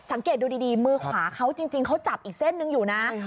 สังเกตดูดีมือขวาเขาจริงเขาจับอีกเส้นหนึ่งอยู่นะ